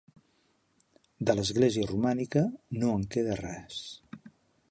De l'església romànica, no en queda res.